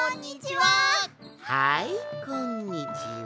はいこんにちは。